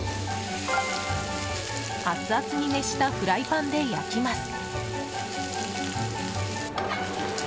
アツアツに熱したフライパンで焼きます。